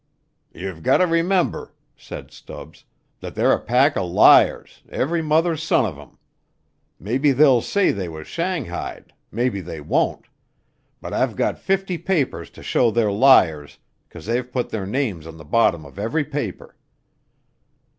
"Ye've gotter remember," said Stubbs, "that they're a pack er liars, every mother's son of 'em. Maybe they'll say they was shanghaied; maybe they won't. But I've got fifty papers to show they're liars 'cause they've put their names to th' bottom of every paper."